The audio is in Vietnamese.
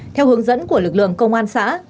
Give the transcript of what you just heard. theo hướng dẫn của lực lượng công an xã